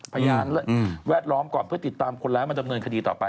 พยานแวดล้อมก่อนเพื่อติดตามคนร้ายมาดำเนินคดีต่อไป